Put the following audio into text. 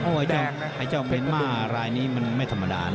โอ้ยเจ้าเมียนมาร์รายนี้มันไม่ธรรมดานะ